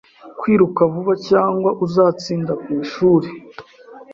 Kwiruka vuba, cyangwa uzatinda ku ishuri.